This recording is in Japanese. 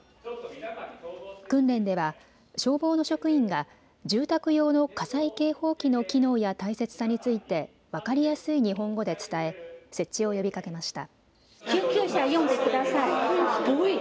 訓練では消防の職員が住宅用の火災警報器の機能や大切さについて分かりやすい日本語で伝え設置を呼びかけました。